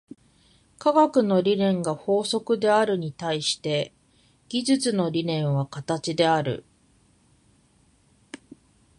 科学の理念が法則であるに対して、技術の理念は形である。